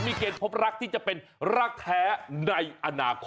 มีเกณฑ์พบรักที่จะเป็นรักแท้ในอนาคต